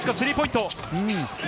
金近、スリーポイント。